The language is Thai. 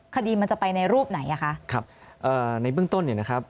คดีมันจะไปในรูปไหนอ่ะคะครับเอ่อในเบื้องต้นเนี่ยนะครับ